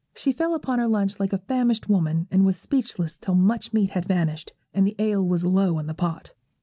She fell upon her lunch like a famished woman, and was speechless till much meat had vanished, and the ale was low in the pot.